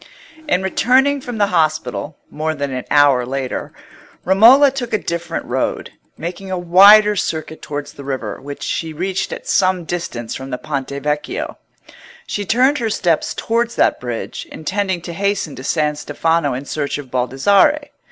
In returning from the hospital, more than an hour later, Romola took a different road, making a wider circuit towards the river, which she reached at some distance from the Ponte Vecchio. She turned her steps towards that bridge, intending to hasten to San Stefano in search of Baldassarre.